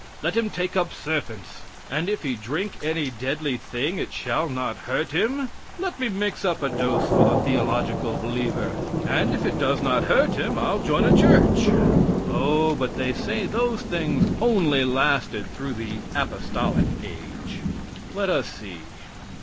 Let him take up serpents. "And if he drink any deadly thing it shall not hurt him." Let me mix up a dose for the theological believer, and if it does not hurt him I'll join a church. O, but, "they say those things only lasted through that apostolic age." Let us see.